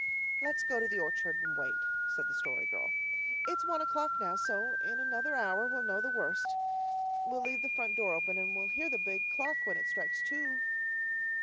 "Let's go into the orchard and wait," said the Story Girl. "It's one o'clock now, so in another hour we'll know the worst. We'll leave the front door open, and we'll hear the big clock when it strikes two."